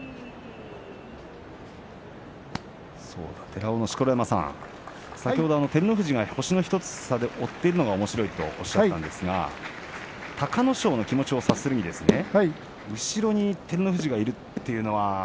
寺尾の錣山さん、先ほど照ノ富士が星の差１つで追っているのがおもしろいとおっしゃっていましたが隆の勝の気持ちを察するに後ろに照ノ富士がいるというのは。